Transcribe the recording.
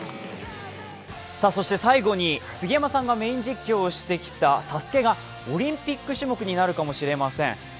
最後に杉山さんがメイン実況をしてきた「ＳＡＳＵＫＥ」がオリンピック種目になるかもしれません。